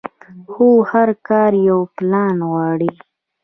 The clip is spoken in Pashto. خو هر کار يو پلان غواړي.